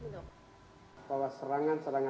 kalau serangan serangan cyber juga